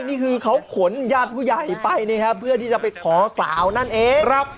นี่คือเขาขนญาติผู้ใหญ่ไปนะครับเพื่อที่จะไปขอสาวนั่นเองครับ